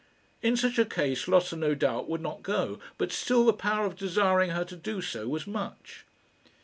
In such a case Lotta no doubt would not go; but still the power of desiring her to do so was much.